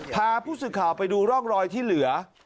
พาผู้สื่อข่าวไปดูร่องรอยที่เหลือ